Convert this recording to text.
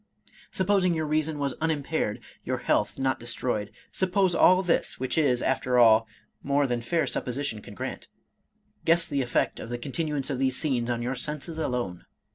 — Supposing your reason was unimpaired, your health not destroyed, — suppose all this, which is, after all, more than fair supposition can grant, guess the effect of the continuance of these scenes on your senses alone.